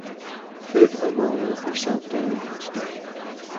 Food and water were sent down each day.